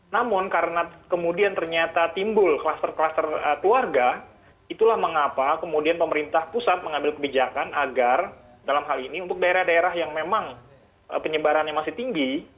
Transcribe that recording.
namun karena kemudian ternyata timbul kluster kluster keluarga itulah mengapa kemudian pemerintah pusat mengambil kebijakan agar dalam hal ini untuk daerah daerah yang memang penyebarannya masih tinggi